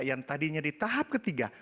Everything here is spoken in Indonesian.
yang tadinya di tahap ketiga